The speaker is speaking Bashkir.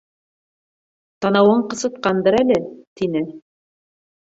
Танауың ҡысытҡандыр әле, — тине.